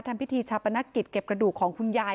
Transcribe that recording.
ทำพิธีชาปนกิจเก็บกระดูกของคุณยาย